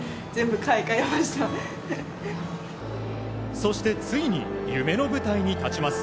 そしてついに夢の舞台に立ちます。